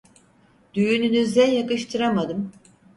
Düğününüze yakıştıramadım…